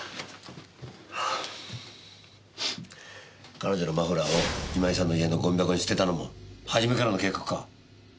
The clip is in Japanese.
ハァ彼女のマフラーを今井さんの家のゴミ箱に捨てたのも初めからの計画か？